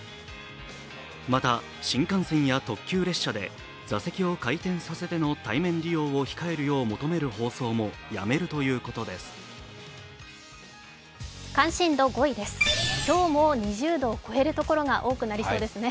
また、新幹線や特急列車で座席を回転させての対面利用を控えるよう求める放送も関心度５位です、今日も２０度を超えるところが多くなりそうですね。